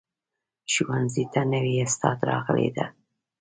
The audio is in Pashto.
ښوونځي ته نوي استاد راغلی ده